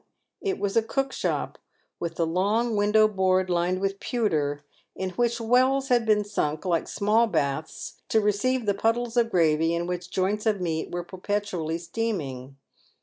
it was a cook shop wit^ the long window board lined with pewter, in which wells had been sunk like small baths to receive the puddles of gravy in which joints of meat were perpetually steaming.